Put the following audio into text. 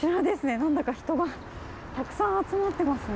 なんだか人がたくさん集まっていますね。